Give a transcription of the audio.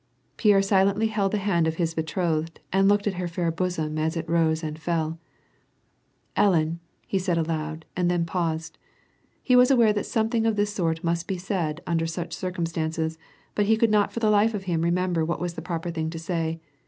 Pierre silently held the hand of his betrothed, and looked at her fair bosom as it rose and fell. " Ellen !" said he aloud, and then paused. He was aware that something of this sort must be said und^ such circum stances, but he could not for tlie life of him remember what was the proper thing to say.